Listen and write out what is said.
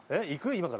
今から。